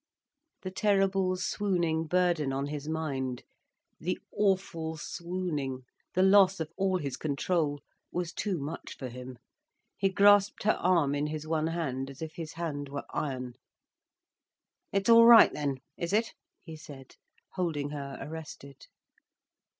The terrible swooning burden on his mind, the awful swooning, the loss of all his control, was too much for him. He grasped her arm in his one hand, as if his hand were iron. "It's all right, then, is it?" he said, holding her arrested.